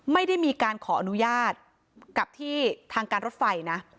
ไม่ได้มีการขออนุญาตกับที่ทางการรถไฟนะ